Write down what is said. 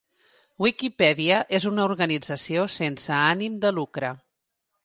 Wikipedia és una organització sense ànim de lucre.